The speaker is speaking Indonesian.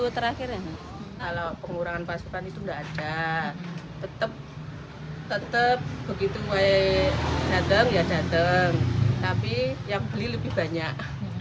tapi yang beli lebih banyak